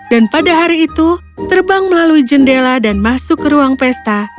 dan pada hari itu terbang melalui jendela dan masuk ke ruang pesta